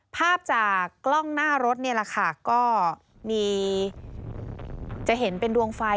ภาพจากกล้องหน้ารถก็จะเห็นเป็นดวงไฟ